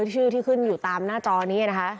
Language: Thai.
ชื่อที่ขึ้นอยู่ตามหน้าจอนี้นะคะ